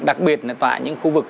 đặc biệt là tại những khu vực